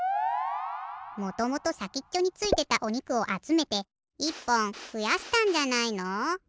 もともとさきっちょについてたおにくをあつめて１ぽんふやしたんじゃないの？